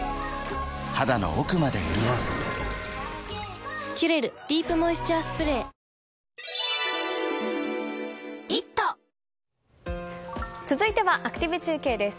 肌の奥まで潤う「キュレルディープモイスチャースプレー」続いては、アクティブ中継です。